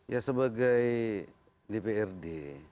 ya sebagai dprd